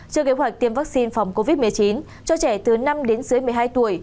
chưa kế hoạch tiêm vaccine phòng covid một mươi chín cho trẻ từ năm đến dưới một mươi hai tuổi